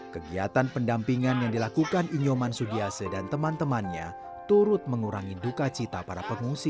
kejahatan pendampingan yang dilakukan yoman sudias dan teman temannya turut mengurangi dukacita para pengungsi